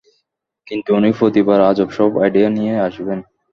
কিন্তু উনি প্রতিবার, আজব সব আইডিয়া নিয়ে আসবেন।